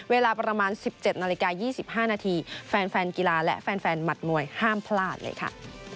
เวลาประมาณ๑๗นาฬิกา๒๕นาทีแฟนกีฬาและแฟนหมัดมวยห้ามพลาดเลยค่ะ